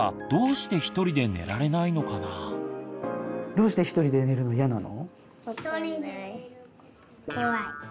どうしてひとりで寝るのいやなの？